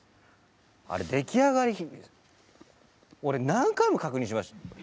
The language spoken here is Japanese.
あれ出来上がり俺何回も確認しました。